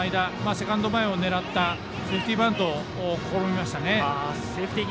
セカンド前を狙ったセーフティーバントを心がけましたね。